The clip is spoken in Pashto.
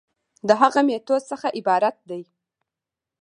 د هغه ډول ميتود څخه عبارت دي